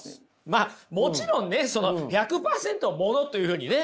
まあもちろんね１００％ものというふうにね